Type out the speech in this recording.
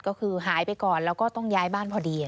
ก็คือหายไปก่อนแล้วก็ต้องย้ายบ้านพอดี